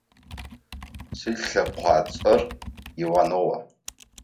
Слъэкъуацӏэр Иванова.